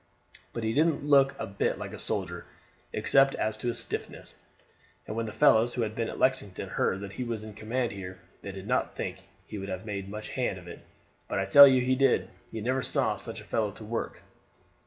But he didn't look a bit like a soldier except as to his stiffness, and when the fellows who had been at Lexington heard that he was in command here they did not think he would have made much hand at it; but I tell you, he did. You never saw such a fellow to work.